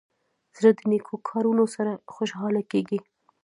زړه د نیکو کارونو سره خوشحاله کېږي.